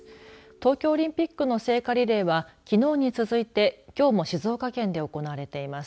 東京オリンピックの聖火リレーはきのうに続いて、きょうも静岡県で行われています。